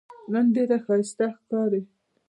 نن ډېره ښایسته ښکارې